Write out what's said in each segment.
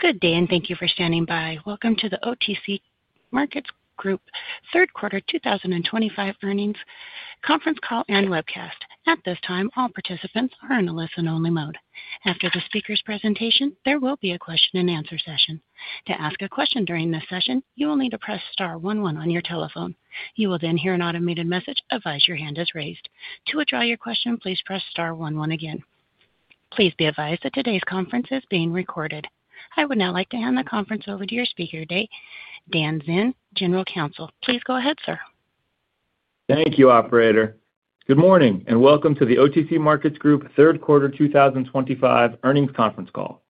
Good day, and thank you for standing by. Welcome to the OTC Markets Group third quarter 2025 earnings conference call and webcast. At this time, all participants are in a listen-only mode. After the speaker's presentation, there will be a question-and-answer session. To ask a question during this session, you will need to press star one-one on your telephone. You will then hear an automated message: "Advise your hand is raised." To withdraw your question, please press star one-one again. Please be advised that today's conference is being recorded. I would now like to hand the conference over to your speaker today, Dan Zinn, General Counsel. Please go ahead, sir. Thank you, operator. Good morning, and welcome to the OTC Markets Group, third quarter 2025 earnings conference call.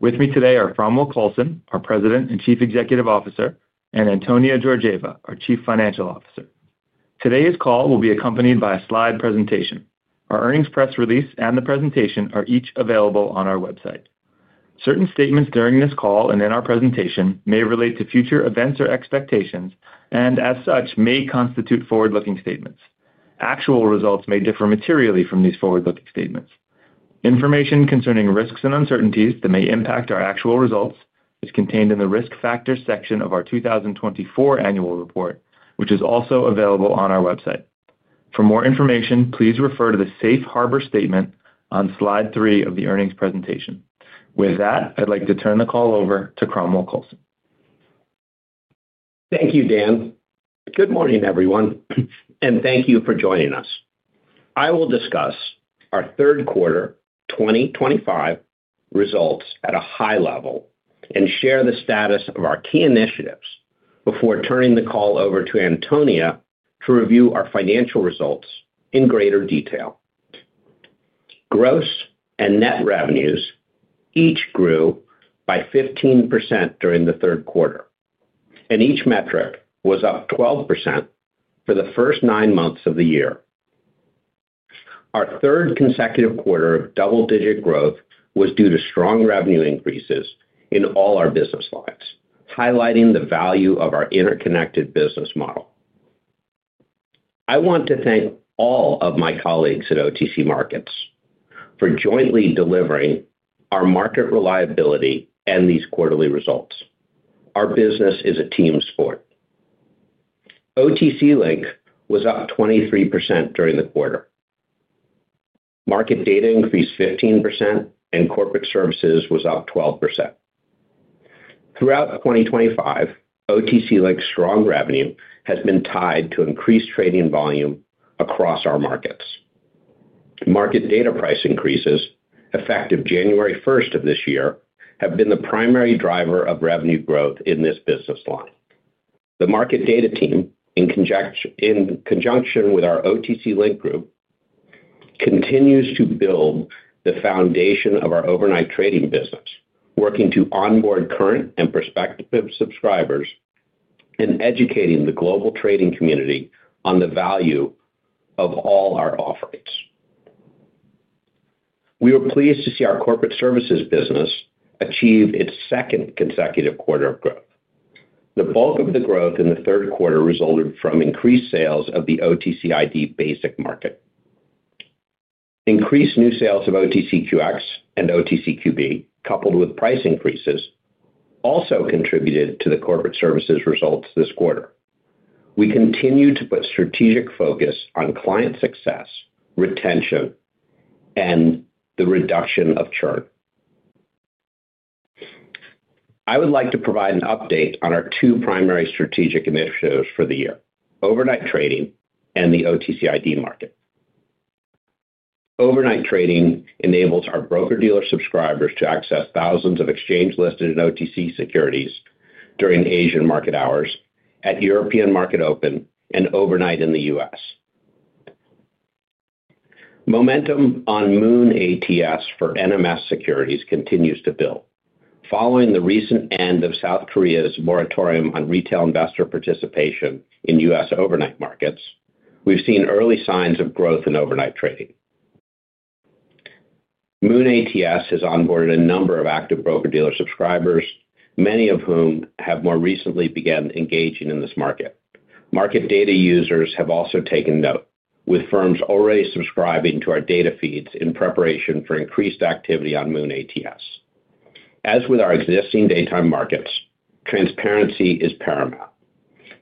With me today are Cromwell Coulson, our President and Chief Executive Officer, and Antonia Georgieva, our Chief Financial Officer. Today's call will be accompanied by a slide presentation. Our earnings press release and the presentation are each available on our website. Certain statements during this call and in our presentation may relate to future events or expectations, and as such, may constitute forward-looking statements. Actual results may differ materially from these forward-looking statements. Information concerning risks and uncertainties that may impact our actual results is contained in the risk factors section of our 2024 annual report, which is also available on our website. For more information, please refer to the Safe Harbor statement on slide three of the earnings presentation. With that, I'd like to turn the call over to Cromwell Coulson. Thank you, Dan. Good morning, everyone, and thank you for joining us. I will discuss our third quarter 2025 results at a high level and share the status of our key initiatives before turning the call over to Antonia to review our financial results in greater detail. Gross and net revenues each grew by 15% during the third quarter, and each metric was up 12% for the first nine months of the year. Our third consecutive quarter of double-digit growth was due to strong revenue increases in all our business lines, highlighting the value of our interconnected business model. I want to thank all of my colleagues at OTC Markets for jointly delivering our market reliability and these quarterly results. Our business is a team sport. OTC Link was up 23% during the quarter. Market Data increased 15%, and Corporate Services was up 12%. Throughout 2025, OTC Link's strong revenue has been tied to increased trading volume across our markets. Market data price increases, effective January 1st of this year, have been the primary driver of revenue growth in this business line. The Market Data team, in conjunction with our OTC Link Group, continues to build the foundation of our overnight trading business, working to onboard current and prospective subscribers and educating the global trading community on the value of all our offerings. We were pleased to see our Corporate Services business achieve its second consecutive quarter of growth. The bulk of the growth in the third quarter resulted from increased sales of the OTCID Basic Market. Increased new sales of OTCQX and OTCQB, coupled with price increases, also contributed to the corporate services results this quarter. We continue to put strategic focus on client success, retention, and the reduction of churn. I would like to provide an update on our two primary strategic initiatives for the year: overnight trading and the OTCID Market. Overnight trading enables our broker-dealer subscribers to access thousands of exchange-listed OTC securities during Asian market hours, at European market open, and overnight in the U.S. Momentum on MOON ATS for NMS securities continues to build. Following the recent end of South Korea's moratorium on retail investor participation in U.S. overnight markets, we've seen early signs of growth in overnight trading. MOON ATS has onboarded a number of active broker-dealer subscribers, many of whom have more recently begun engaging in this market. Market data users have also taken note, with firms already subscribing to our data feeds in preparation for increased activity on MOON ATS. As with our existing daytime markets, transparency is paramount.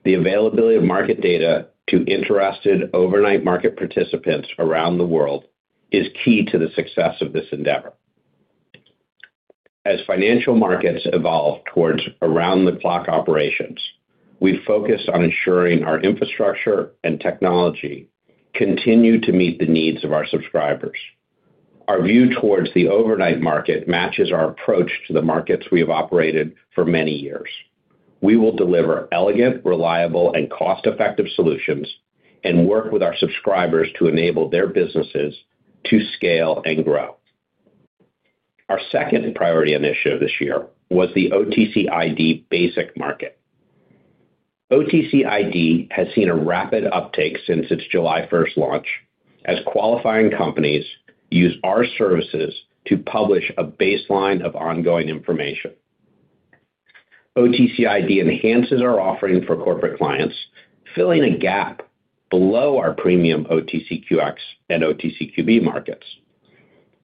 The availability of market data to interested overnight market participants around the world is key to the success of this endeavor. As financial markets evolve towards around-the-clock operations, we focus on ensuring our infrastructure and technology continue to meet the needs of our subscribers. Our view towards the overnight market matches our approach to the markets we have operated for many years. We will deliver elegant, reliable, and cost-effective solutions and work with our subscribers to enable their businesses to scale and grow. Our second priority initiative this year was the OTCID Basic Market. OTCID has seen a rapid uptake since its July 1st launch, as qualifying companies use our services to publish a baseline of ongoing information. OTCID enhances our offering for corporate clients, filling a gap below our premium OTCQX and OTCQB markets.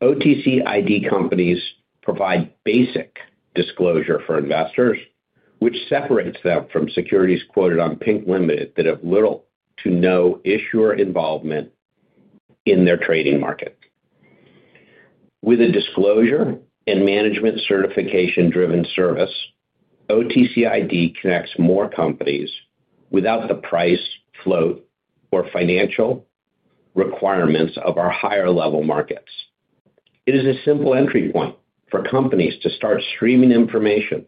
OTCID companies provide basic disclosure for investors, which separates them from securities quoted on Pink Limited that have little to no issuer involvement in their trading market. With a disclosure and management certification-driven service, OTCID connects more companies without the price, float, or financial requirements of our higher-level markets. It is a simple entry point for companies to start streaming information,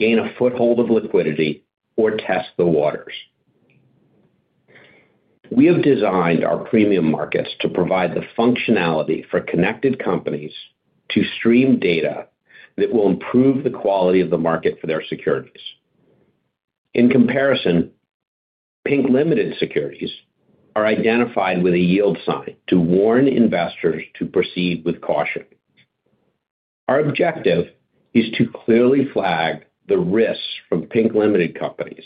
gain a foothold of liquidity, or test the waters. We have designed our premium markets to provide the functionality for connected companies to stream data that will improve the quality of the market for their securities. In comparison, Pink Limited Securities are identified with a yield sign to warn investors to proceed with caution. Our objective is to clearly flag the risks from Pink Limited companies.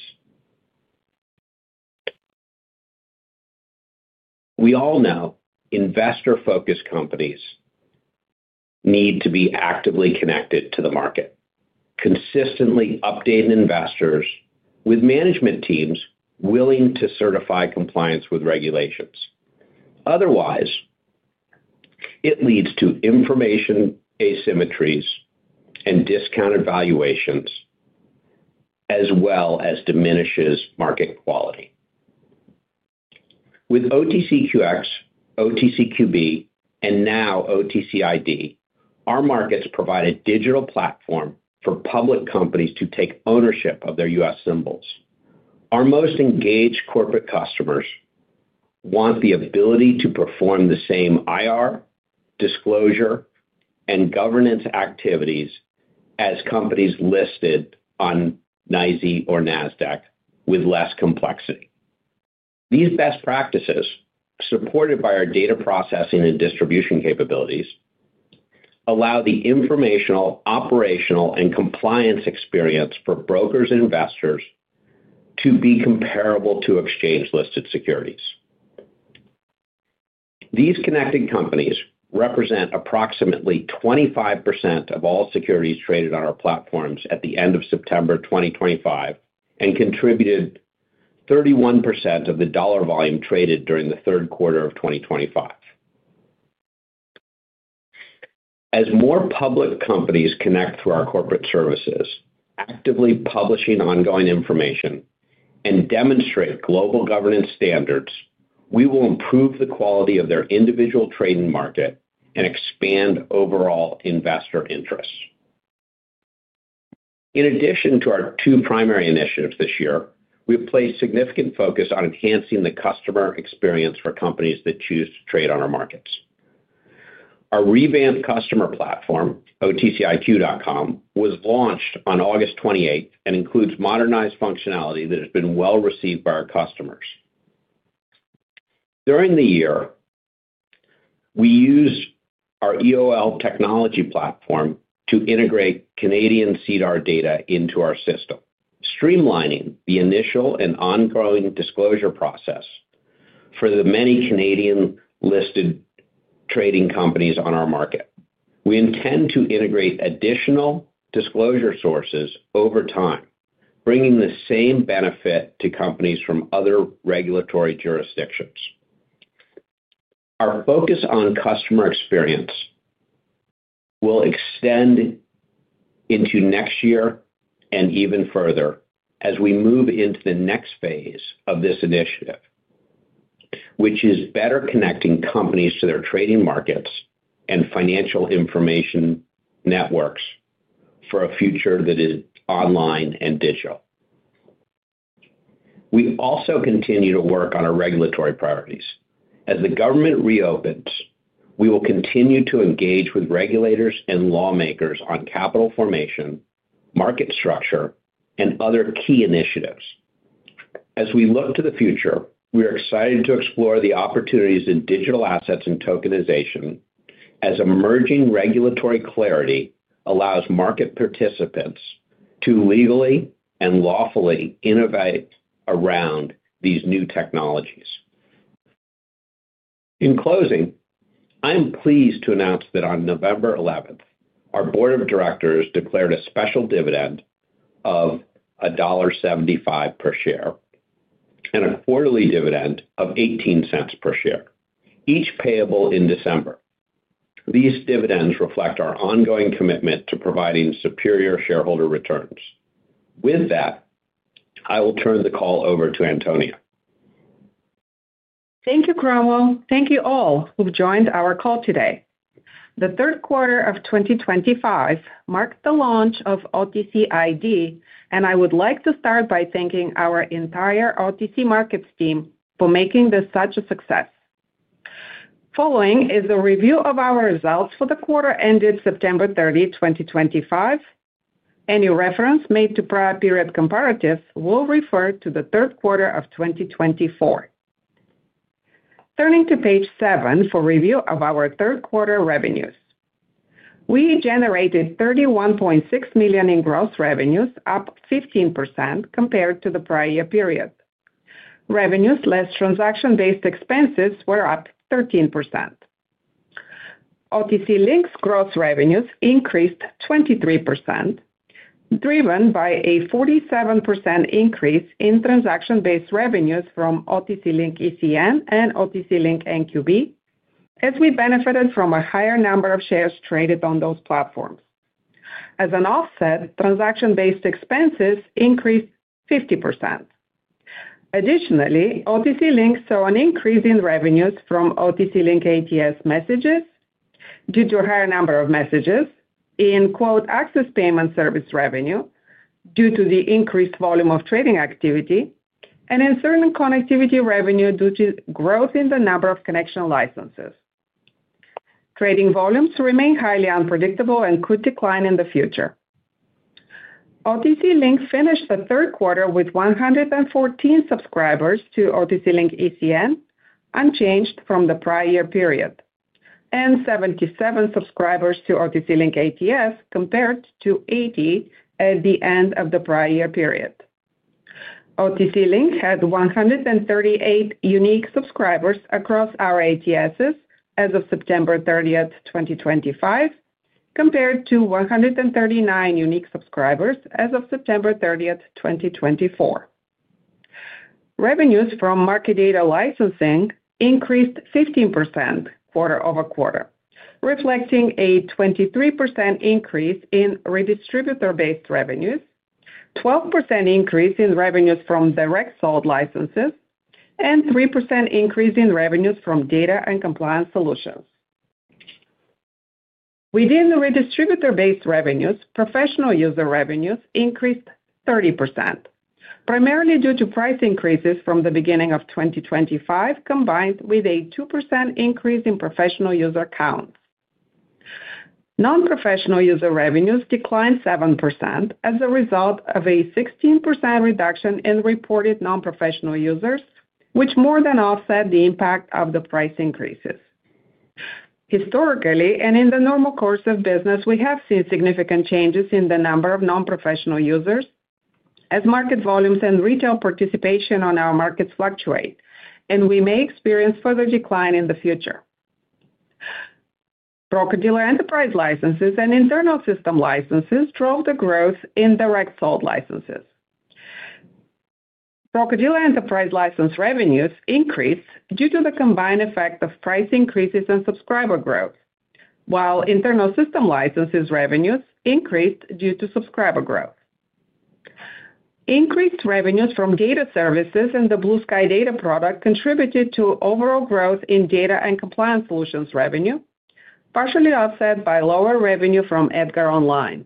We all know investor-focused companies need to be actively connected to the market, consistently updating investors with management teams willing to certify compliance with regulations. Otherwise, it leads to information asymmetries and discounted valuations, as well as diminishes market quality. With OTCQX, OTCQB, and now OTCID, our markets provide a digital platform for public companies to take ownership of their U.S. symbols. Our most engaged corporate customers want the ability to perform the same IR, disclosure, and governance activities as companies listed on NYSE or NASDAQ with less complexity. These best practices, supported by our data processing and distribution capabilities, allow the informational, operational, and compliance experience for brokers and investors to be comparable to exchange-listed securities. These connected companies represent approximately 25% of all securities traded on our platforms at the end of September 2025 and contributed 31% of the dollar volume traded during the third quarter of 2025. As more public companies connect through our corporate services, actively publishing ongoing information, and demonstrate global governance standards, we will improve the quality of their individual trading market and expand overall investor interests. In addition to our two primary initiatives this year, we have placed significant focus on enhancing the customer experience for companies that choose to trade on our markets. Our revamped customer platform, otciq.com, was launched on August 28th and includes modernized functionality that has been well received by our customers. During the year, we used our EOL technology platform to integrate Canadian SEDAR data into our system, streamlining the initial and ongoing disclosure process for the many Canadian-listed trading companies on our market. We intend to integrate additional disclosure sources over time, bringing the same benefit to companies from other regulatory jurisdictions. Our focus on customer experience will extend into next year and even further as we move into the next phase of this initiative, which is better connecting companies to their trading markets and financial information networks for a future that is online and digital. We also continue to work on our regulatory priorities. As the government reopens, we will continue to engage with regulators and lawmakers on capital formation, market structure, and other key initiatives. As we look to the future, we are excited to explore the opportunities in digital assets and tokenization, as emerging regulatory clarity allows market participants to legally and lawfully innovate around these new technologies. In closing, I am pleased to announce that on November 11th, our Board of Directors declared a special dividend of $1.75 per share and a quarterly dividend of $0.18 per share, each payable in December. These dividends reflect our ongoing commitment to providing superior shareholder returns. With that, I will turn the call over to Antonia. Thank you, Cromwell. Thank you all who've joined our call today. The third quarter of 2025 marked the launch of OTCID, and I would like to start by thanking our entire OTC Markets team for making this such a success. Following is a review of our results for the quarter ended September 30, 2025. Any reference made to prior period comparatives will refer to the third quarter of 2024. Turning to page seven for review of our third quarter revenues, we generated $31.6 million in gross revenues, up 15% compared to the prior year period. Revenues less transaction-based expenses were up 13%. OTC Link's gross revenues increased 23%, driven by a 47% increase in transaction-based revenues from OTC Link ECN and OTC Link NQB, as we benefited from a higher number of shares traded on those platforms. As an offset, transaction-based expenses increased 50%. Additionally, OTC Link saw an increase in revenues from OTC Link ATS messages due to a higher number of messages in, quote, access payment service revenue due to the increased volume of trading activity and in certain connectivity revenue due to growth in the number of connection licenses. Trading volumes remain highly unpredictable and could decline in the future. OTC Link finished the third quarter with 114 subscribers to OTC Link ECN, unchanged from the prior year period, and 77 subscribers to OTC Link ATS, compared to 80 at the end of the prior year period. OTC Link had 138 unique subscribers across our ATSs as of September 30th, 2025, compared to 139 unique subscribers as of September 30th, 2024. Revenues from Market Data Licensing increased 15% quarter-over-quarter, reflecting a 23% increase in redistributor-based revenues, a 12% increase in revenues from direct sold licenses, and a 3% increase in revenues from data and compliance solutions. Within the redistributor-based revenues, professional user revenues increased 30%, primarily due to price increases from the beginning of 2025, combined with a 2% increase in professional user counts. Non-professional user revenues declined 7% as a result of a 16% reduction in reported non-professional users, which more than offset the impact of the price increases. Historically, and in the normal course of business, we have seen significant changes in the number of non-professional users as market volumes and retail participation on our markets fluctuate, and we may experience further decline in the future. Broker-dealer enterprise licenses and internal system licenses drove the growth in direct sold licenses. Broker-dealer enterprise license revenues increased due to the combined effect of price increases and subscriber growth, while internal system licenses revenues increased due to subscriber growth. Increased revenues from data services and the Blue Sky Data product contributed to overall growth in data and compliance solutions revenue, partially offset by lower revenue from EDGAR Online.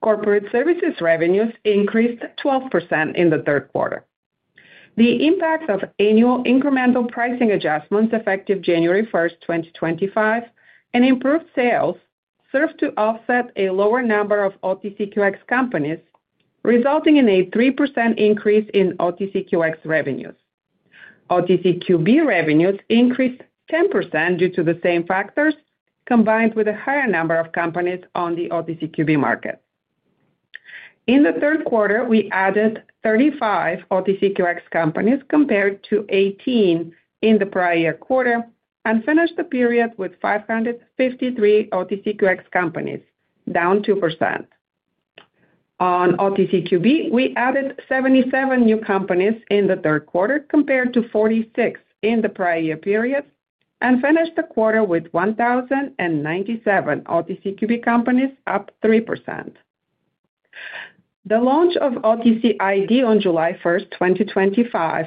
Corporate Services revenues increased 12% in the third quarter. The impact of annual incremental pricing adjustments effective January 1st, 2025, and improved sales served to offset a lower number of OTCQX companies, resulting in a 3% increase in OTCQX revenues. OTCQB revenues increased 10% due to the same factors, combined with a higher number of companies on the OTCQB market. In the third quarter, we added 35 OTCQX companies compared to 18 in the prior year quarter and finished the period with 553 OTCQX companies, down 2%. On OTCQB, we added 77 new companies in the third quarter compared to 46 in the prior year period and finished the quarter with 1,097 OTCQB companies, up 3%. The launch of OTCID on July 1st, 2025,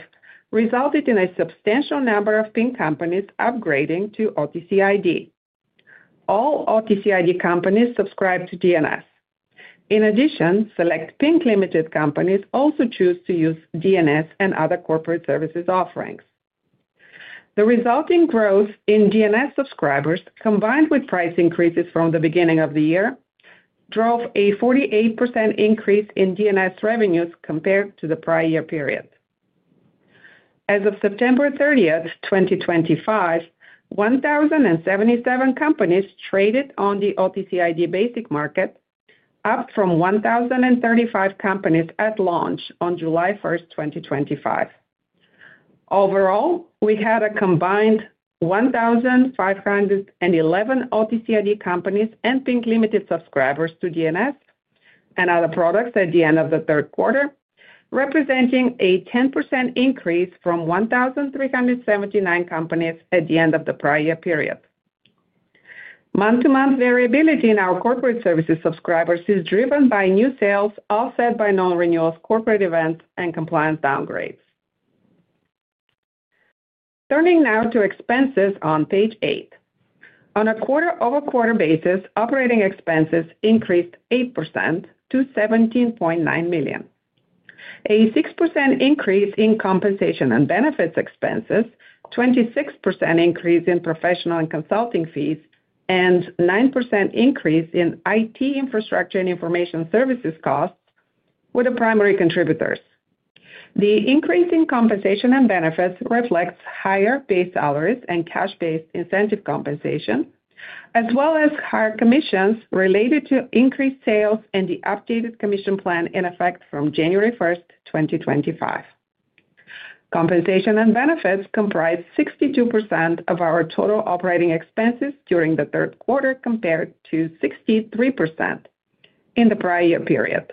resulted in a substantial number of Pink companies upgrading to OTCID. All OTCID companies subscribe to DNS. In addition, select Pink Limited companies also choose to use DNS and other corporate services offerings. The resulting growth in DNS subscribers, combined with price increases from the beginning of the year, drove a 48% increase in DNS revenues compared to the prior year period. As of September 30th, 2025, 1,077 companies traded on the OTCID Basic Market, up from 1,035 companies at launch on July 1st, 2025. Overall, we had a combined 1,511 OTCID companies and Pink Limited subscribers to DNS and other products at the end of the third quarter, representing a 10% increase from 1,379 companies at the end of the prior year period. Month-to-month variability in our corporate services subscribers is driven by new sales, offset by non-renewals, corporate events, and compliance downgrades. Turning now to expenses on page eight. On a quarter-over-quarter basis, operating expenses increased 8% to $17.9 million. A 6% increase in compensation and benefits expenses, a 26% increase in professional and consulting fees, and a 9% increase in IT infrastructure and information services costs were the primary contributors. The increase in compensation and benefits reflects higher base salaries and cash-based incentive compensation, as well as higher commissions related to increased sales and the updated commission plan in effect from January 1st, 2025. Compensation and benefits comprise 62% of our total operating expenses during the third quarter, compared to 63% in the prior year period.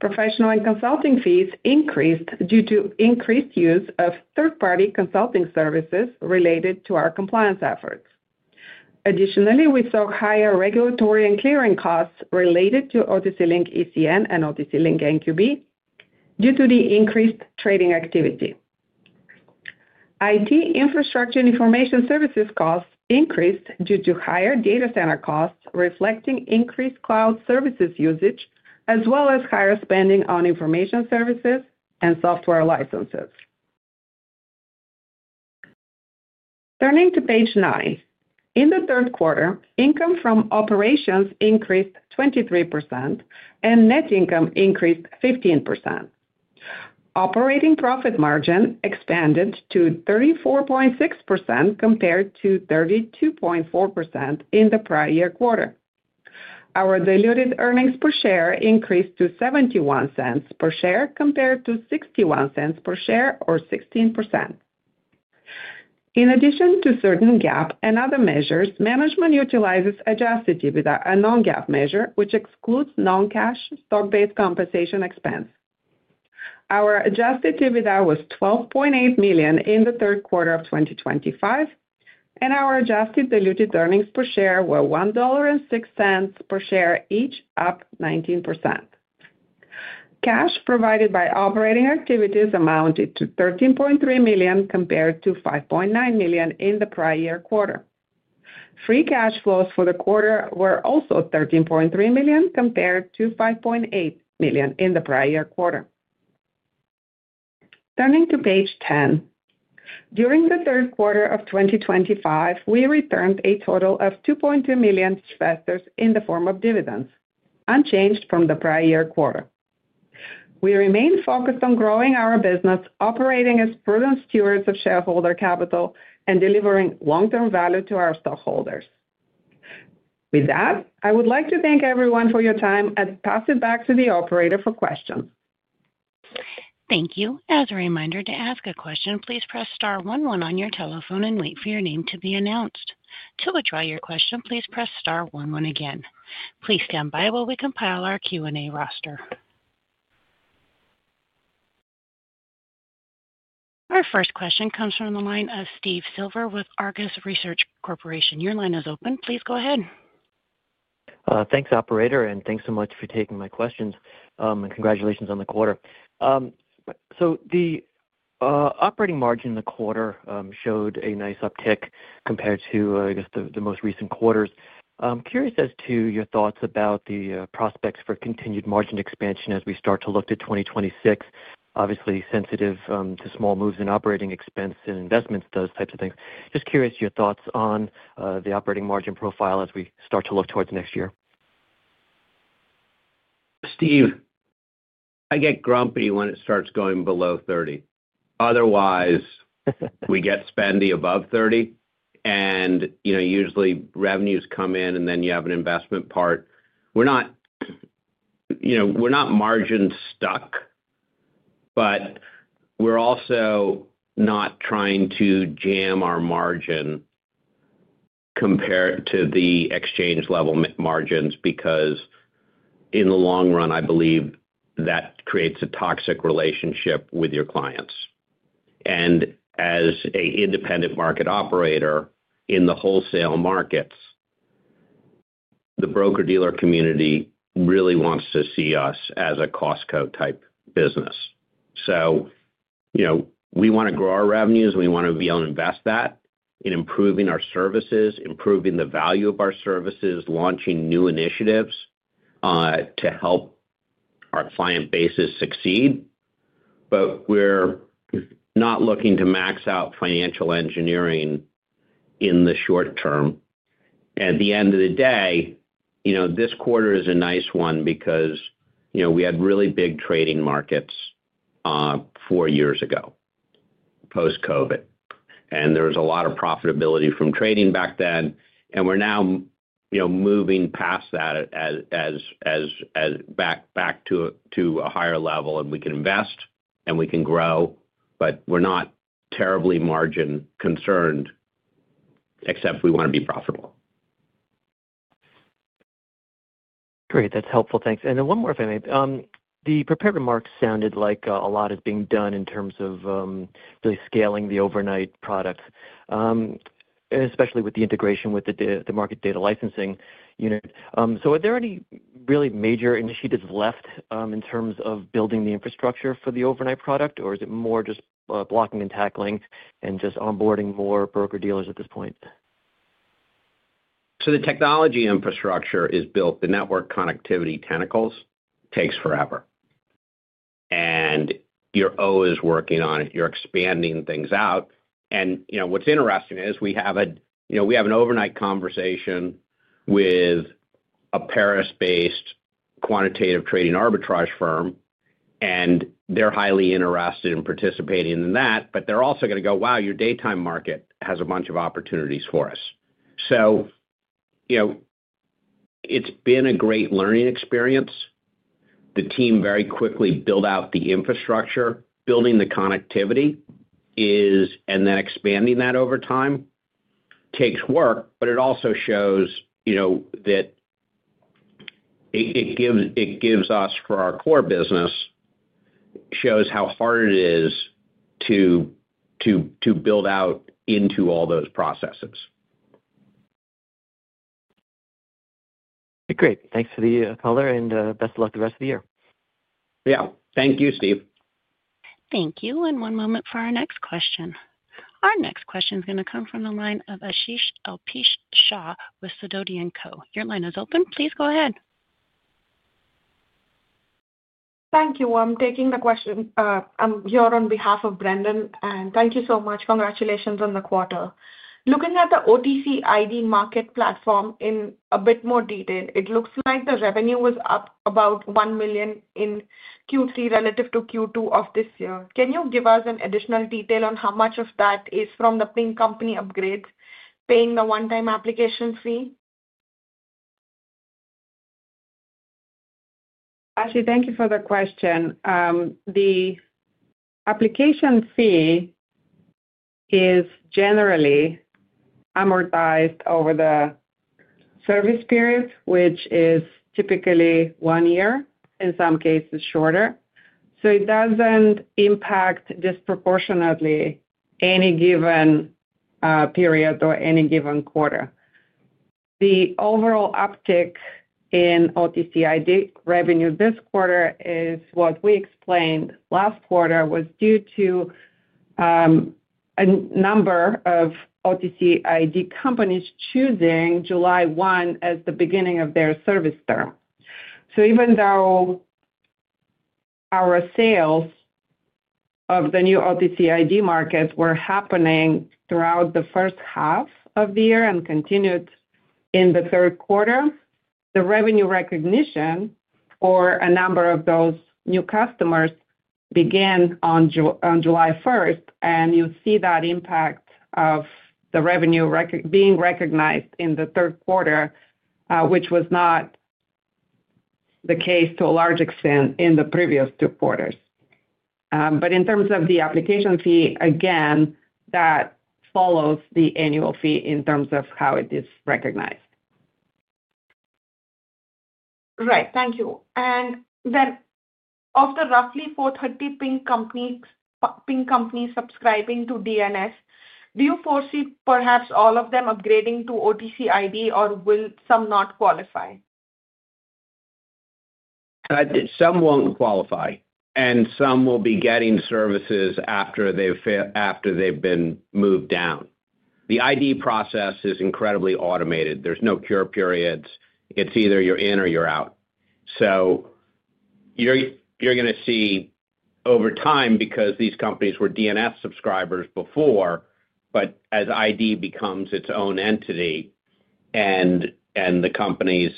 Professional and consulting fees increased due to increased use of third-party consulting services related to our compliance efforts. Additionally, we saw higher regulatory and clearing costs related to OTC Link ECN and OTC Link NQB due to the increased trading activity. IT infrastructure and information services costs increased due to higher data center costs, reflecting increased cloud services usage, as well as higher spending on information services and software licenses. Turning to page nine, in the third quarter, income from operations increased 23%, and net income increased 15%. Operating profit margin expanded to 34.6% compared to 32.4% in the prior year quarter. Our diluted earnings per share increased to $0.71 per share compared to $0.61 per share, or 16%. In addition to certain GAAP and other measures, management utilizes adjusted EBITDA and non-GAAP measure, which excludes non-cash stock-based compensation expense. Our adjusted EBITDA was $12.8 million in the third quarter of 2025, and our adjusted diluted earnings per share were $1.06 per share each, up 19%. Cash provided by operating activities amounted to $13.3 million compared to $5.9 million in the prior year quarter. Free cash flows for the quarter were also $13.3 million compared to $5.8 million in the prior year quarter. Turning to page ten, during the third quarter of 2025, we returned a total of $2.2 million to investors in the form of dividends, unchanged from the prior year quarter. We remain focused on growing our business, operating as prudent stewards of shareholder capital, and delivering long-term value to our stockholders. With that, I would like to thank everyone for your time and pass it back to the operator for questions. Thank you. As a reminder, to ask a question, please press star one one on your telephone and wait for your name to be announced. To withdraw your question, please press star one one again. Please stand by while we compile our Q&A roster. Our first question comes from the line of Steve Silver with Argus Research Corporation. Your line is open. Please go ahead. Thanks, operator, and thanks so much for taking my questions. And congratulations on the quarter. So the operating margin in the quarter showed a nice uptick compared to, I guess, the most recent quarters. I'm curious as to your thoughts about the prospects for continued margin expansion as we start to look to 2026, obviously sensitive to small moves in operating expense and investments, those types of things. Just curious your thoughts on the operating margin profile as we start to look towards next year. Steve, I get grumpy when it starts going below 30. Otherwise, we get spendy above 30, and usually revenues come in, and then you have an investment part. We're not margin stuck, but we're also not trying to jam our margin compared to the exchange-level margins because in the long run, I believe that creates a toxic relationship with your clients. And as an independent market operator in the wholesale markets, the broker-dealer community really wants to see us as a Costco-type business. So we want to grow our revenues, and we want to be able to invest that in improving our services, improving the value of our services, launching new initiatives to help our client bases succeed. But we're not looking to max out financial engineering in the short term. At the end of the day, this quarter is a nice one because we had really big trading markets four years ago post-COVID, and there was a lot of profitability from trading back then. And we're now moving past that back to a higher level, and we can invest and we can grow, but we're not terribly margin concerned, except we want to be profitable. Great. That's helpful. Thanks. And then one more, if I may. The prepared remarks sounded like a lot is being done in terms of really scaling the overnight product, especially with the integration with the market data licensing unit. So are there any really major initiatives left in terms of building the infrastructure for the overnight product, or is it more just blocking and tackling and just onboarding more broker-dealers at this point? So the technology infrastructure is built. The network connectivity tentacles take forever. And you're always working on it. You're expanding things out. And what's interesting is we have an overnight conversation with a Paris-based quantitative trading arbitrage firm, and they're highly interested in participating in that, but they're also going to go, "Wow, your daytime market has a bunch of opportunities for us." So it's been a great learning experience. The team very quickly built out the infrastructure. Building the connectivity and then expanding that over time takes work, but it also shows that it gives us, for our core business, shows how hard it is to build out into all those processes. Okay. Great. Thanks for the color, and best of luck the rest of the year. Yeah. Thank you, Steve. Thank you. And one moment for our next question. Our next question is going to come from the line of Aashi [Elpish] Shah with Sidoti & Co. Your line is open. Please go ahead. Thank you. I'm taking the question. I'm here on behalf of Brendan, and thank you so much. Congratulations on the quarter. Looking at the OTCID market platform in a bit more detail, it looks like the revenue was up about $1 million in Q3 relative to Q2 of this year. Can you give us an additional detail on how much of that is from the Pink company upgrades paying the one-time application fee? Ashley, thank you for the question. The application fee is generally amortized over the service period, which is typically one year, in some cases shorter. So it doesn't impact disproportionately any given period or any given quarter. The overall uptick in OTCID revenue this quarter is what we explained last quarter was due to a number of OTCID companies choosing July 1 as the beginning of their service term. So even though our sales of the new OTCID market were happening throughout the first half of the year and continued in the third quarter, the revenue recognition for a number of those new customers began on July 1st, and you see that impact of the revenue being recognized in the third quarter, which was not the case to a large extent in the previous two quarters. But in terms of the application fee, again, that follows the annual fee in terms of how it is recognized. Right. Thank you. And then of the roughly 430 Pink companies subscribing to DNS, do you foresee perhaps all of them upgrading to OTCID, or will some not qualify? Some won't qualify, and some will be getting services after they've been moved down. The ID process is incredibly automated. There's no cure periods. It's either you're in or you're out. So you're going to see over time because these companies were DNS subscribers before, but as ID becomes its own entity and the companies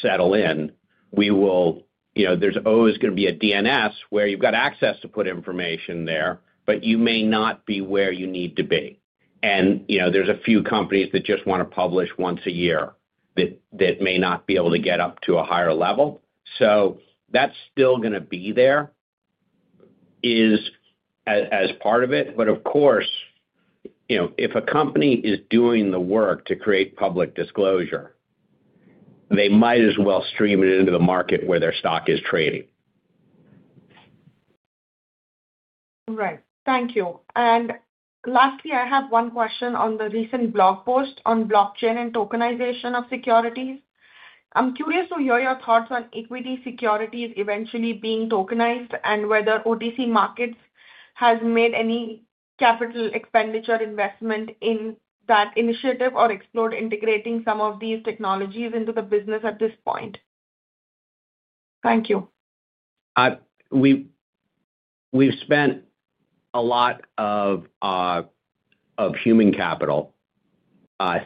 settle in, there's always going to be a DNS where you've got access to put information there, but you may not be where you need to be. And there's a few companies that just want to publish once a year that may not be able to get up to a higher level. So that's still going to be there as part of it. But of course, if a company is doing the work to create public disclosure, they might as well stream it into the market where their stock is trading. Right. Thank you. And lastly, I have one question on the recent blog post on blockchain and tokenization of securities. I'm curious to hear your thoughts on equity securities eventually being tokenized and whether OTC Markets has made any capital expenditure investment in that initiative or explored integrating some of these technologies into the business at this point. Thank you. We've spent a lot of human capital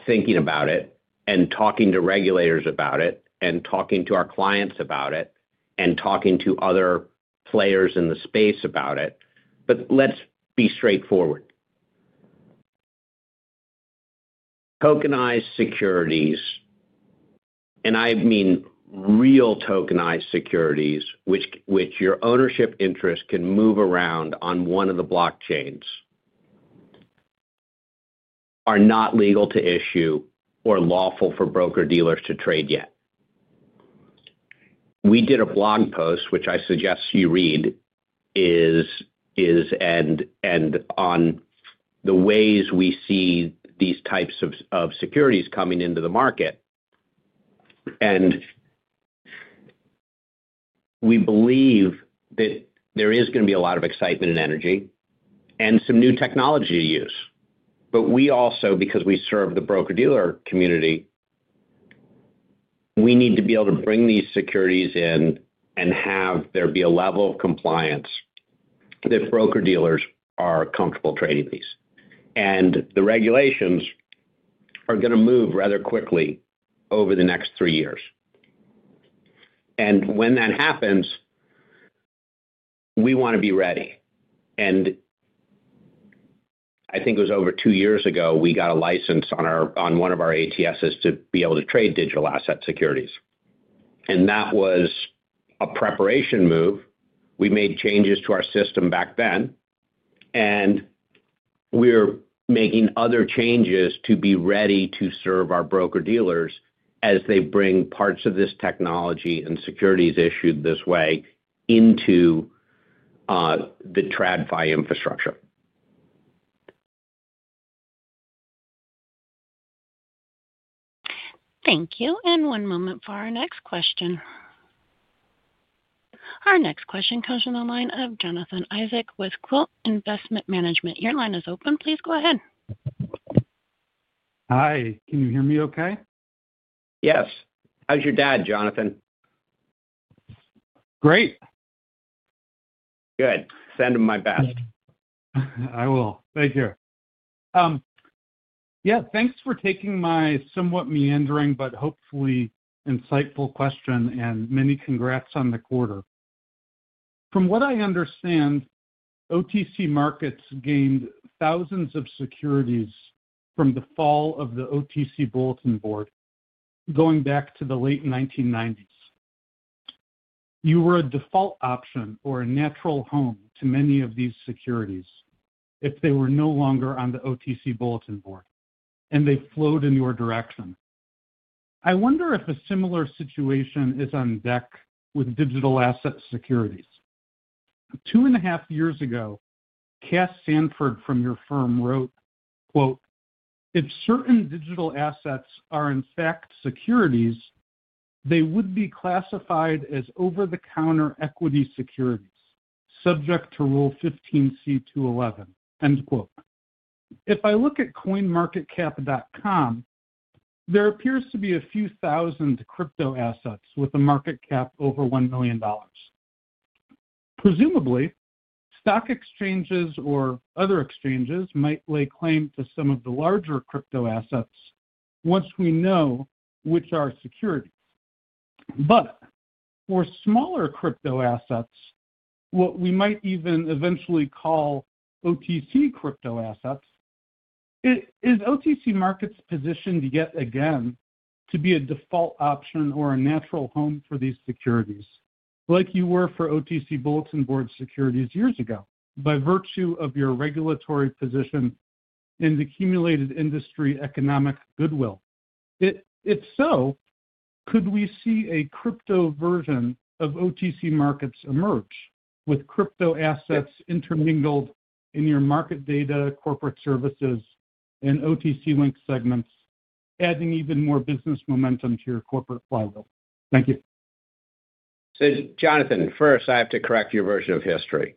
thinking about it and talking to regulators about it and talking to our clients about it and talking to other players in the space about it. But let's be straightforward. Tokenized securities, and I mean real tokenized securities, which your ownership interest can move around on one of the blockchains, are not legal to issue or lawful for broker-dealers to trade yet. We did a blog post, which I suggest you read, and on the ways we see these types of securities coming into the market. And we believe that there is going to be a lot of excitement and energy and some new technology to use. But we also, because we serve the broker-dealer community, we need to be able to bring these securities in and have there be a level of compliance that broker-dealers are comfortable trading these. And the regulations are going to move rather quickly over the next three years. And when that happens, we want to be ready. And I think it was over two years ago we got a license on one of our ATSs to be able to trade digital asset securities. And that was a preparation move. We made changes to our system back then, and we're making other changes to be ready to serve our broker-dealers as they bring parts of this technology and securities issued this way into the TradFi infrastructure. Thank you. And one moment for our next question. Our next question comes from the line of Jonathan Isaac with Quilt Investment Management. Your line is open. Please go ahead. Hi. Can you hear me okay? Yes. How's your dad, Jonathan? Great. Good. Send him my best. I will. Thank you. Yeah. Thanks for taking my somewhat meandering but hopefully insightful question, and many congrats on the quarter. From what I understand, OTC Markets gained thousands of securities from the fall of the OTC Bulletin Board going back to the late 1990s. You were a default option or a natural home to many of these securities if they were no longer on the OTC Bulletin Board, and they flowed in your direction. I wonder if a similar situation is on deck with digital asset securities. Two and a half years ago, Cass Sanford from your firm wrote, "If certain digital assets are in fact securities, they would be classified as over-the-counter equity securities subject to Rule 15C2-11." If I look at coinmarketcap.com, there appears to be a few thousand crypto assets with a market cap over $1 million. Presumably, stock exchanges or other exchanges might lay claim to some of the larger crypto assets once we know which are securities. But for smaller crypto assets, what we might even eventually call OTC crypto assets, is OTC Markets positioned yet again to be a default option or a natural home for these securities like you were for OTC Bulletin Board securities years ago by virtue of your regulatory position and the cumulated industry economic goodwill? If so, could we see a crypto version of OTC Markets emerge with crypto assets intermingled in your market data, corporate services, and OTC-linked segments, adding even more business momentum to your corporate flywheel? Thank you. So Jonathan, first, I have to correct your version of history.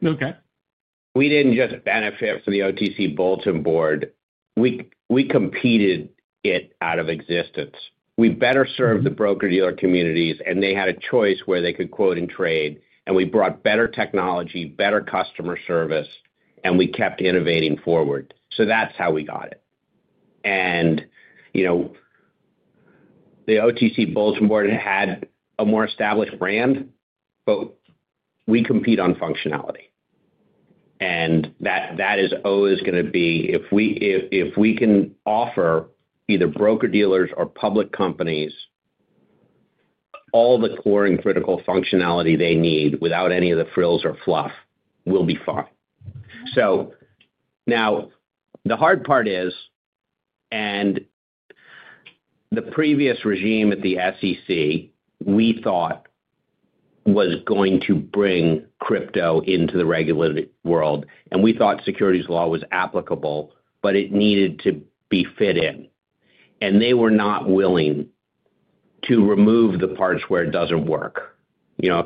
We didn't just benefit from the OTC Bulletin Board. We competed it out of existence. We better served the broker-dealer communities, and they had a choice where they could quote and trade. And we brought better technology, better customer service, and we kept innovating forward. So that's how we got it. And the OTC Bulletin Board had a more established brand, but we compete on functionality. And that is always going to be if we can offer either broker-dealers or public companies all the core and critical functionality they need without any of the frills or fluff, we'll be fine. So now the hard part is, and the previous regime at the SEC we thought was going to bring crypto into the regulated world, and we thought securities law was applicable, but it needed to be fit in. And they were not willing to remove the parts where it doesn't work.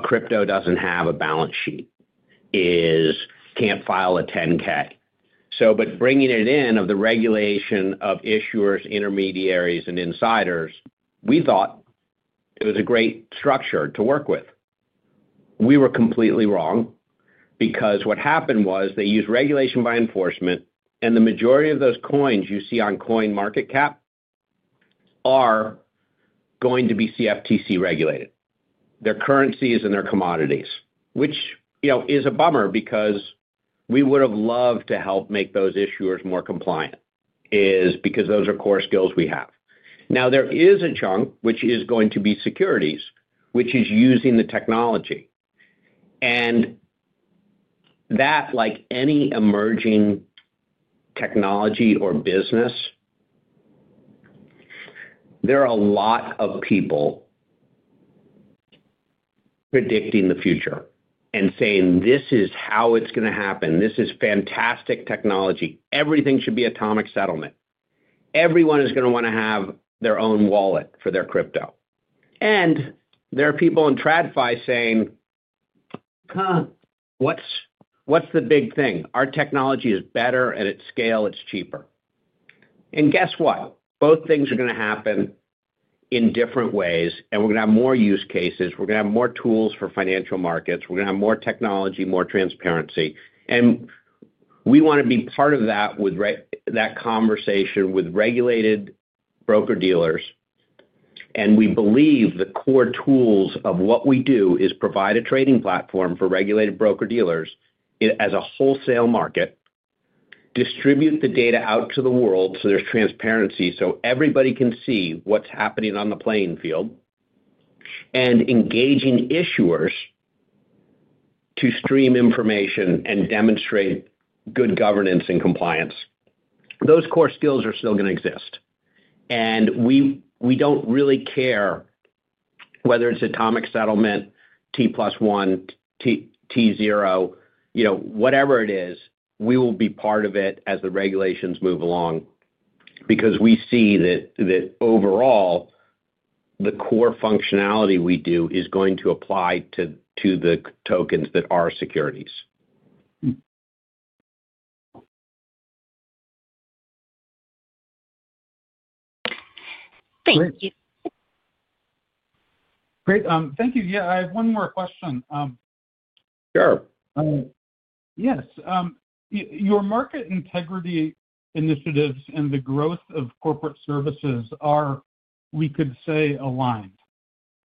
Crypto doesn't have a balance sheet, can't file a 10-K. But bringing it in of the regulation of issuers, intermediaries, and insiders, we thought it was a great structure to work with. We were completely wrong because what happened was they used regulation by enforcement, and the majority of those coins you see on CoinMarketCap are going to be CFTC regulated. They're currencies and they're commodities, which is a bummer because we would have loved to help make those issuers more compliant. Is because those are core skills we have. Now, there is a chunk which is going to be securities, which is using the technology. And that, like any emerging technology or business, there are a lot of people predicting the future and saying, "This is how it's going to happen. This is fantastic technology. Everything should be atomic settlement. Everyone is going to want to have their own wallet for their crypto." And there are people in TradFi saying, "Huh, what's the big thing? Our technology is better, and at scale, it's cheaper." And guess what? Both things are going to happen in different ways, and we're going to have more use cases. We're going to have more tools for financial markets. We're going to have more technology, more transparency. And we want to be part of that conversation with regulated broker-dealers. And we believe the core tools of what we do is provide a trading platform for regulated broker-dealers as a wholesale market, distribute the data out to the world so there's transparency so everybody can see what's happening on the playing field, and engaging issuers to stream information and demonstrate good governance and compliance. Those core skills are still going to exist. And we don't really care whether it's atomic settlement, T+1, T0, whatever it is, we will be part of it as the regulations move along because we see that overall, the core functionality we do is going to apply to the tokens that are securities. Thank you. Great. Thank you. Yeah. I have one more question. Yes. Your market integrity initiatives and the growth of corporate services are, we could say, aligned.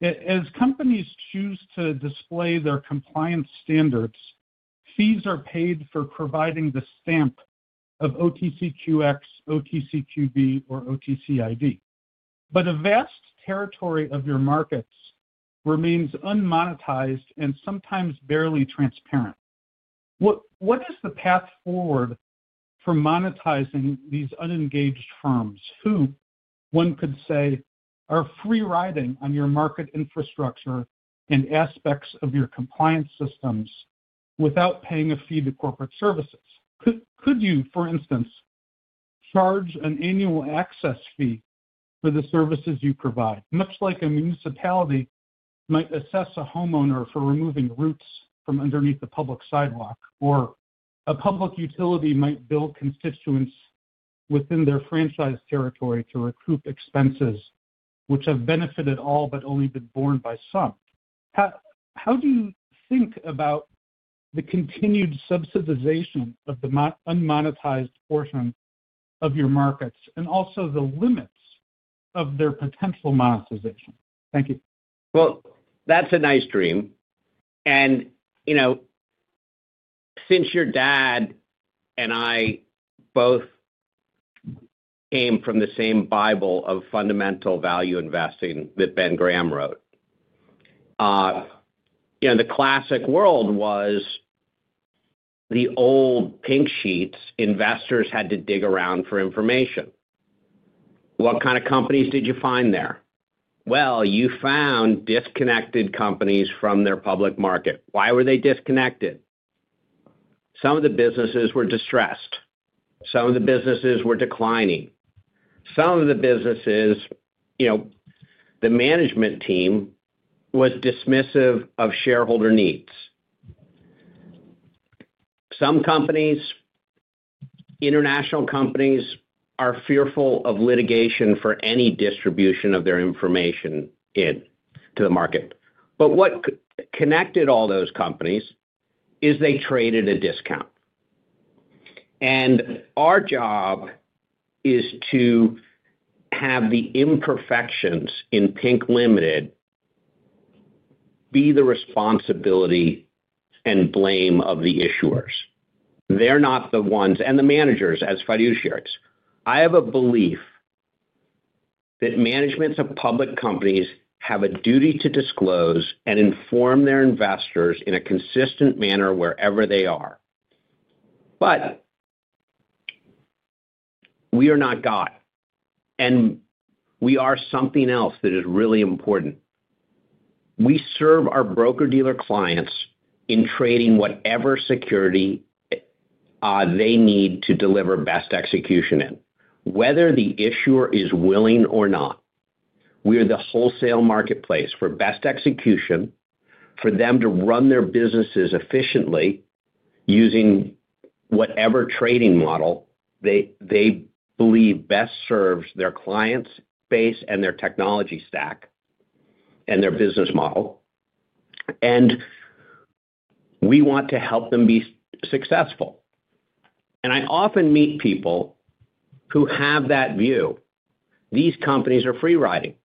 As companies choose to display their compliance standards, fees are paid for providing the stamp of OTCQX, OTCQB, or OTCID. But a vast territory of your markets remains unmonetized and sometimes barely transparent. What is the path forward for monetizing these unengaged firms who, one could say, are free-riding on your market infrastructure and aspects of your compliance systems without paying a fee to corporate services? Could you, for instance, charge an annual access fee for the services you provide, much like a municipality might assess a homeowner for removing roots from underneath a public sidewalk, or a public utility might build constituents within their franchise territory to recoup expenses which have benefited all but only been borne by some? How do you think about the continued subsidization of the unmonetized portion of your markets and also the limits of their potential monetization? Thank you. Well, that's a nice dream. And since your dad and I both came from the same Bible of fundamental value investing that Ben Graham wrote, the classic world was the old pink sheets investors had to dig around for information. What kind of companies did you find there? Well, you found disconnected companies from their public market. Why were they disconnected? Some of the businesses were distressed. Some of the businesses were declining. Some of the businesses, the management team was dismissive of shareholder needs. Some companies, international companies, are fearful of litigation for any distribution of their information into the market. But what connected all those companies is they traded at a discount. And our job is to have the imperfections in Pink Limited be the responsibility and blame of the issuers. They're not the ones and the managers as fiduciaries. I have a belief that managements of public companies have a duty to disclose and inform their investors in a consistent manner wherever they are. But we are not God, and we are something else that is really important. We serve our broker-dealer clients in trading whatever security they need to deliver best execution in, whether the issuer is willing or not. We are the wholesale marketplace for best execution for them to run their businesses efficiently using whatever trading model they believe best serves their client's base and their technology stack and their business model. And we want to help them be successful. And I often meet people who have that view. These companies are free-riding.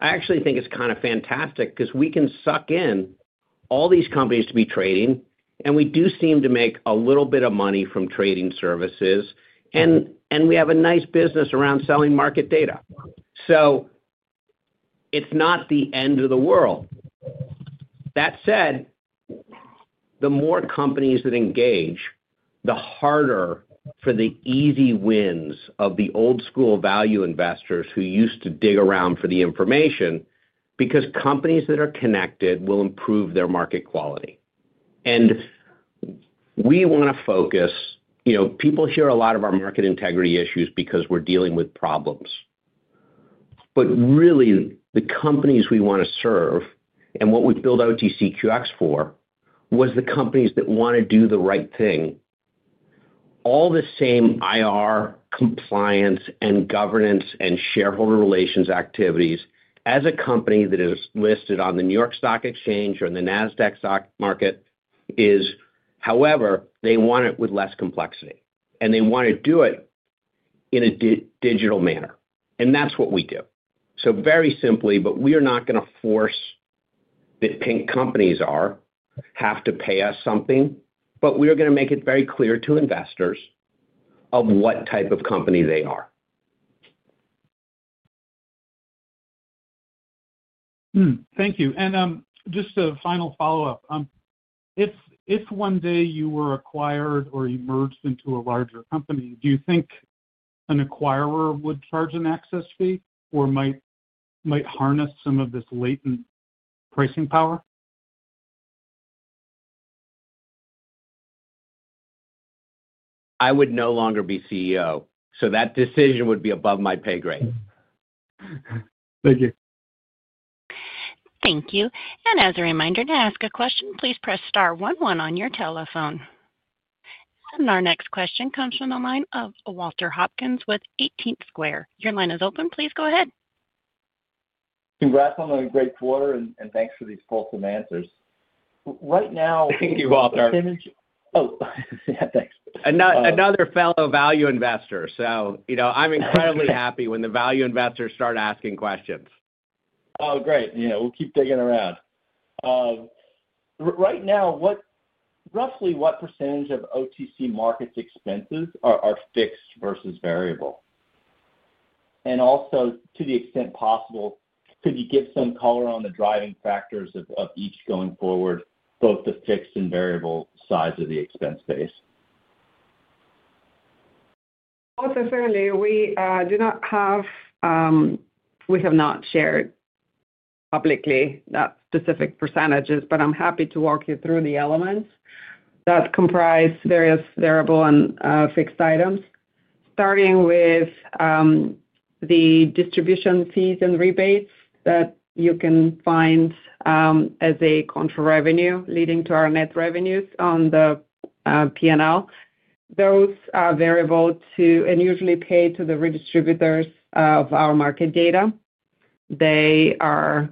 I actually think it's kind of fantastic because we can suck in all these companies to be trading, and we do seem to make a little bit of money from trading services, and we have a nice business around selling market data. So it's not the end of the world. That said, the more companies that engage, the harder for the easy wins of the old-school value investors who used to dig around for the information because companies that are connected will improve their market quality. And we want to focus people hear a lot of our market integrity issues because we're dealing with problems. But really, the companies we want to serve and what we build OTCQX for was the companies that want to do the right thing, all the same IR compliance and governance and shareholder relations activities as a company that is listed on the New York Stock Exchange or in the Nasdaq stock market. However, they want it with less complexity, and they want to do it in a digital manner. And that's what we do. So very simply, but we are not going to force that pink companies have to pay us something, but we are going to make it very clear to investors of what type of company they are. Thank you. And just a final follow-up. If one day you were acquired or emerged into a larger company, do you think an acquirer would charge an access fee or might harness some of this latent pricing power? I would no longer be CEO, so that decision would be above my pay grade. Thank you. Thank you. And as a reminder, to ask a question, please press star one one on your telephone. And our next question comes from the line of Walter Hopkins with 18th Square. Your line is open. Please go ahead. Congrats on the great quarter, and thanks for these wholesome answers. Right now. Thank you, Walter. Oh, yeah. Thanks. Another fellow value investor. So I'm incredibly happy when the value investors start asking questions. Oh, great. Yeah. We'll keep digging around. Right now, roughly what percentage of OTC Markets' expenses are fixed versus variable? And also, to the extent possible, could you give some color on the driving factors of each going forward, both the fixed and variable size of the expense base? Well, definitely. We have not shared publicly that specific percentages, but I'm happy to walk you through the elements that comprise various variable and fixed items, starting with the distribution fees and rebates that you can find as a contra-revenue leading to our net revenues on the P&L. Those are variable and usually paid to the redistributors of our market data. They are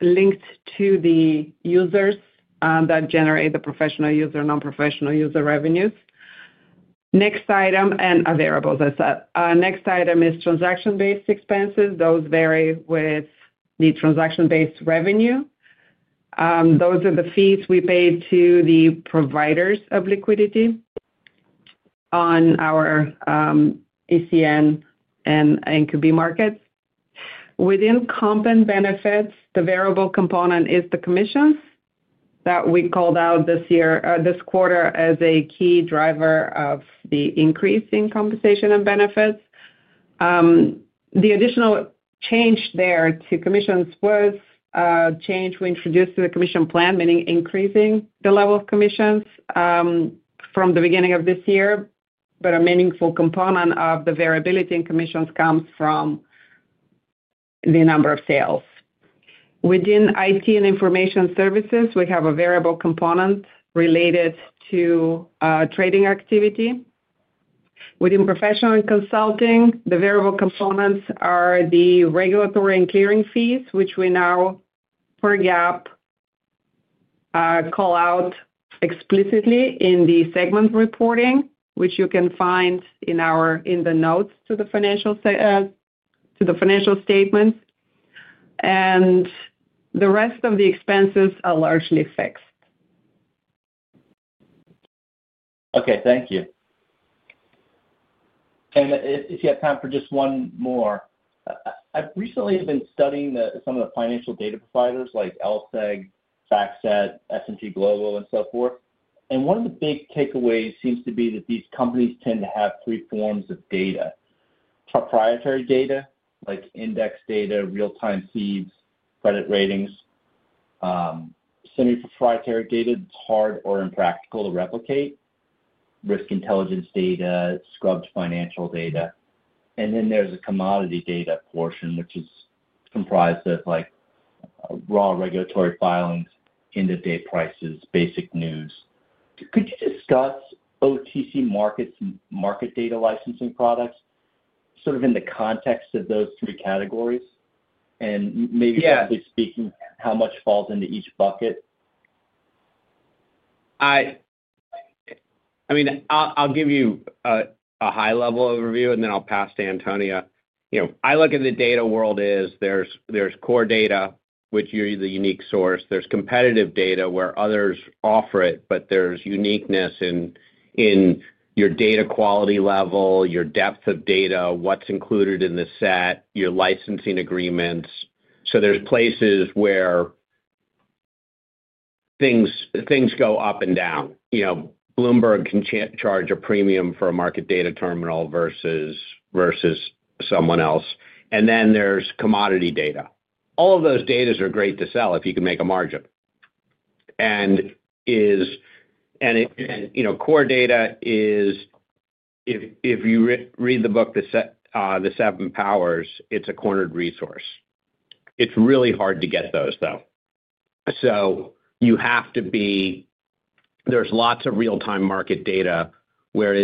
linked to the users that generate the professional user and non-professional user revenues. And variables, as I said. Next item is transaction-based expenses. Those vary with the transaction-based revenue. Those are the fees we pay to the providers of liquidity on our ECN and NQB markets. Within comp and benefits, the variable component is the commissions that we called out this quarter as a key driver of the increase in compensation and benefits. The additional change there to commissions was a change we introduced to the commission plan, meaning increasing the level of commissions from the beginning of this year. But a meaningful component of the variability in commissions comes from the number of sales. Within IT and information services, we have a variable component related to trading activity. Within professional consulting, the variable components are the regulatory and clearing fees, which we now, per gap, call out explicitly in the segment reporting, which you can find in the notes to the financial statements. And the rest of the expenses are largely fixed. Okay. Thank you. And if you have time for just one more, I've recently been studying some of the financial data providers like LSEG, FactSet, S&P Global, and so forth. And one of the big takeaways seems to be that these companies tend to have three forms of data: proprietary data, like index data, real-time feeds, credit ratings, semi-proprietary data that's hard or impractical to replicate, risk intelligence data, scrubbed financial data. And then there's a commodity data portion, which is comprised of raw regulatory filings, end-of-day prices, basic news. Could you discuss OTC Markets and Market Data Licensing products sort of in the context of those three categories? And maybe simply speaking, how much falls into each bucket? I mean, I'll give you a high-level overview, and then I'll pass to Antonia. I look at the data world as there's core data, which you're the unique source. There's competitive data where others offer it, but there's uniqueness in your data quality level, your depth of data, what's included in the set, your licensing agreements. So there's places where things go up and down. Bloomberg can charge a premium for a market data terminal versus someone else. And then there's commodity data. All of those data are great to sell if you can make a margin. And core data is, if you read the book, The 7 Powers, it's a cornered resource. It's really hard to get those, though. So you have to be there's lots of real-time market data where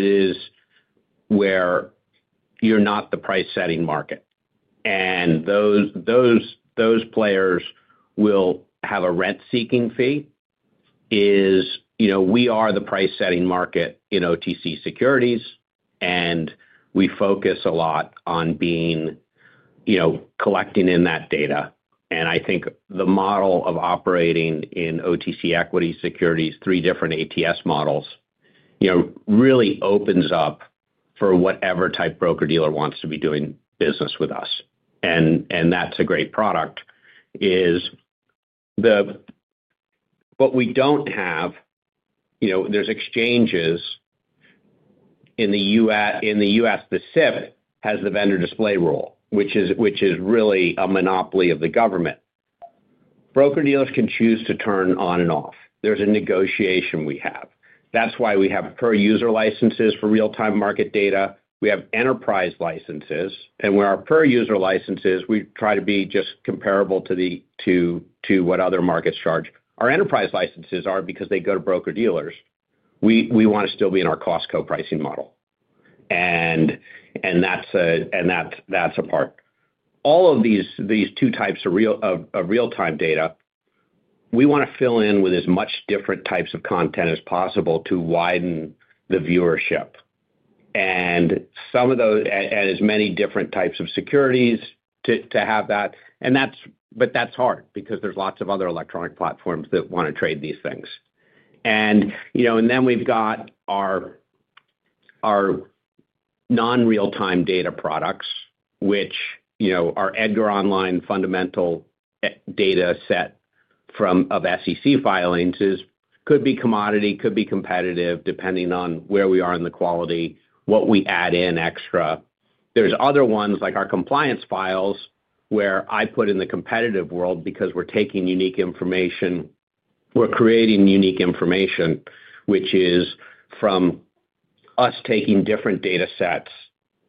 you're not the price-setting market. And those players will have a rent-seeking fee. We are the price-setting market in OTC securities, and we focus a lot on collecting in that data. And I think the model of operating in OTC equity securities, three different ATS models, really opens up for whatever type broker-dealer wants to be doing business with us. And that's a great product. What we don't have, there's exchanges in the U.S. The SIP has the vendor display rule, which is really a monopoly of the government. Broker-dealers can choose to turn on and off. There's a negotiation we have. That's why we have per-user licenses for real-time market data. We have enterprise licenses. And with our per-user licenses, we try to be just comparable to what other markets charge. Our enterprise licenses are because they go to broker-dealers. We want to still be in our Costco pricing model. And that's a part. All of these two types of real-time data, we want to fill in with as much different types of content as possible to widen the viewership and as many different types of securities to have that. But that's hard because there's lots of other electronic platforms that want to trade these things. And then we've got our non-real-time data products, which our EDGAR Online fundamental data set of SEC filings could be commodity, could be competitive, depending on where we are in the quality, what we add in extra. There's other ones like our compliance files where I put in the competitive world because we're taking unique information. We're creating unique information, which is from us taking different data sets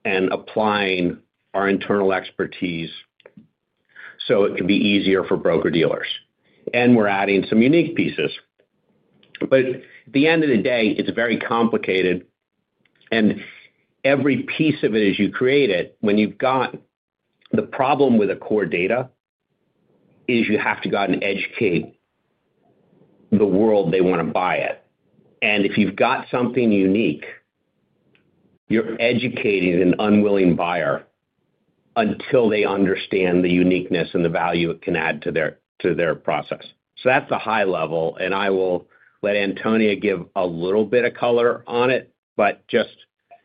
and applying our internal expertise so it can be easier for broker-dealers. And we're adding some unique pieces. But at the end of the day, it's very complicated. And every piece of it, as you create it, when you've got the problem with the core data is you have to go out and educate the world they want to buy it. And if you've got something unique, you're educating an unwilling buyer until they understand the uniqueness and the value it can add to their process. So that's the high level. And I will let Antonia give a little bit of color on it. But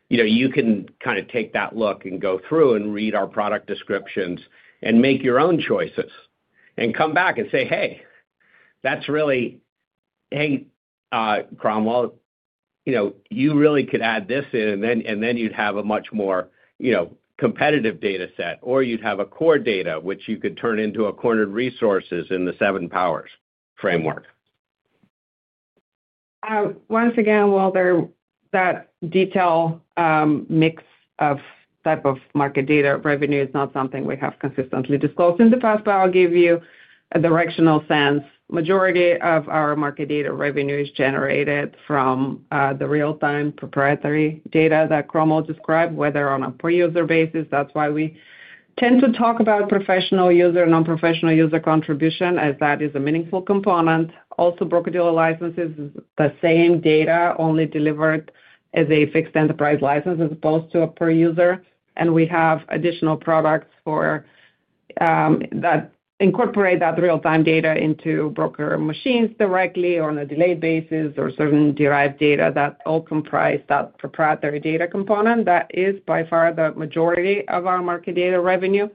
you can kind of take that look and go through and read our product descriptions and make your own choices and come back and say, "Hey, that's really hey, Cromwell, you really could add this in." And then you'd have a much more competitive data set, or you'd have a core data, which you could turn into a cornered resources in the 7 Powers framework. Once again, Walter, that detail mix of type of market data revenue is not something we have consistently disclosed. In the past, but I'll give you a directional sense. The majority of our market data revenue is generated from the real-time proprietary data that Cromwell described, whether on a per-user basis. That's why we tend to talk about professional user and non-professional user contribution, as that is a meaningful component. Also, broker-dealer licenses is the same data, only delivered as a fixed enterprise license as opposed to a per-user. And we have additional products that incorporate that real-time data into broker machines directly or on a delayed basis or certain derived data that all comprise that proprietary data component. That is by far the majority of our Market Data revenue.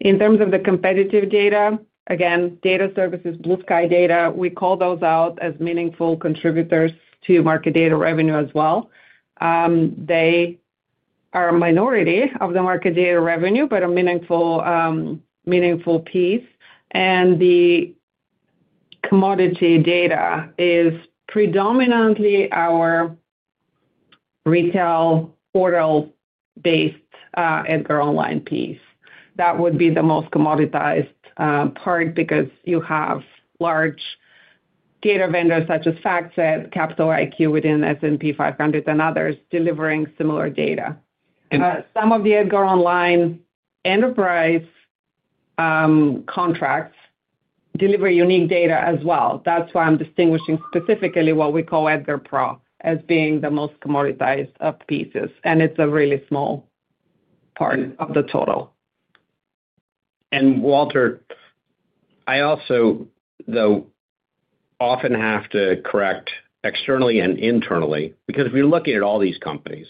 In terms of the competitive data, again, Data Services, Blue Sky Data, we call those out as meaningful contributors to Market Data revenue as well. They are a minority of the Market Data revenue, but a meaningful piece. And the commodity data is predominantly our retail portal-based EDGAR Online piece. That would be the most commoditized part because you have large data vendors such as FactSet, Capital IQ within S&P 500, and others delivering similar data. Some of the EDGAR Online enterprise contracts deliver unique data as well. That's why I'm distinguishing specifically what we call EDGAR Pro as being the most commoditized pieces. And it's a really small part of the total. And Walter, I also, though, often have to correct externally and internally because we're looking at all these companies.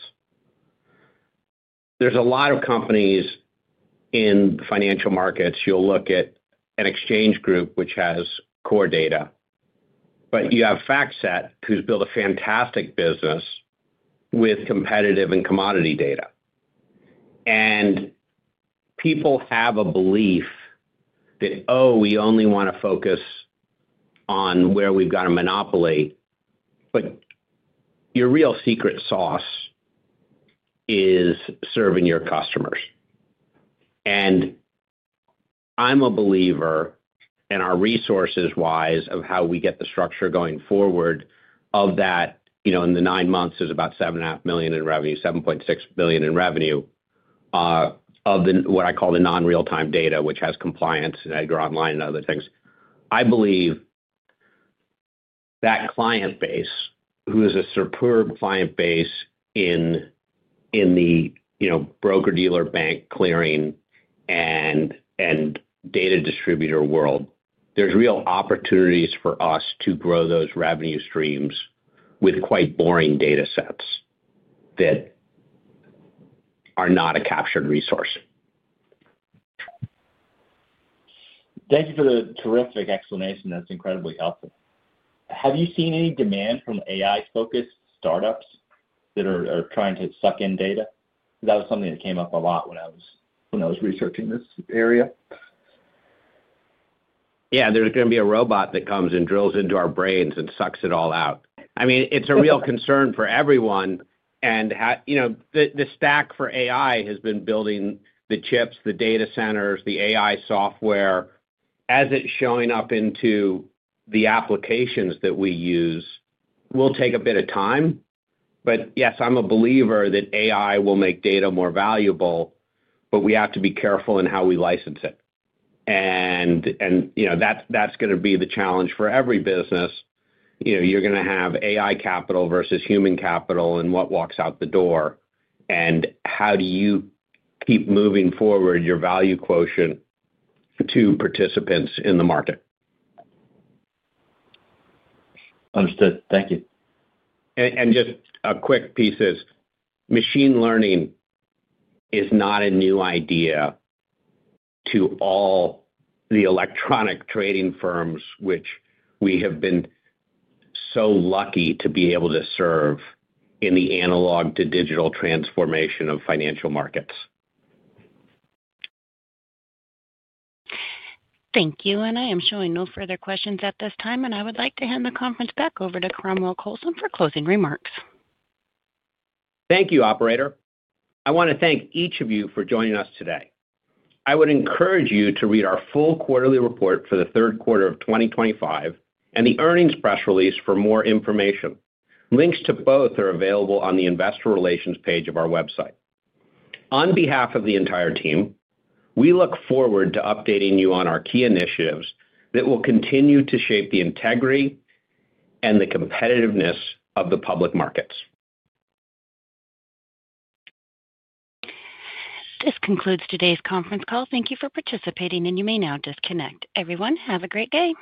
There's a lot of companies in financial markets. You'll look at an exchange group which has core data. But you have FactSet who's built a fantastic business with competitive and commodity data. And people have a belief that, "Oh, we only want to focus on where we've got a monopoly." But your real secret sauce is serving your customers. And I'm a believer, and our resources-wise of how we get the structure going forward of that, in the nine months, there's about $7.5 million in revenue, $7.6 billion in revenue of what I call the non-real-time data, which has compliance and EDGAR Online and other things. I believe that client base, who is a superb client base in the broker-dealer bank clearing and data distributor world, there's real opportunities for us to grow those revenue streams with quite boring data sets that are not a captured resource. Thank you for the terrific explanation. That's incredibly helpful. Have you seen any demand from AI-focused startups that are trying to suck in data? That was something that came up a lot when I was researching this area. Yeah. There's going to be a robot that comes and drills into our brains and sucks it all out. I mean, it's a real concern for everyone. And the stack for AI has been building the chips, the data centers, the AI software. As it's showing up into the applications that we use, it will take a bit of time. But yes, I'm a believer that AI will make data more valuable, but we have to be careful in how we license it. And that's going to be the challenge for every business. You're going to have AI capital versus human capital and what walks out the door. And how do you keep moving forward your value quotient to participants in the market? Understood. Thank you. And just a quick piece is machine learning is not a new idea to all the electronic trading firms, which we have been so lucky to be able to serve in the analog-to-digital transformation of financial markets. Thank you, and I'm showing no further questions at this time. And I would like to hand the conference back over to Cromwell Coulson for closing remarks. Thank you, operator. I want to thank each of you for joining us today. I would encourage you to read our full quarterly report for the third quarter of 2025 and the earnings press release for more information. Links to both are available on the investor relations page of our website. On behalf of the entire team, we look forward to updating you on our key initiatives that will continue to shape the integrity and the competitiveness of the public markets. This concludes today's conference call. Thank you for participating, and you may now disconnect. Everyone, have a great day.